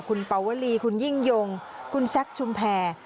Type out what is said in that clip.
คุณปวลีคุณยิ่งยงคุณแซคชุมแพร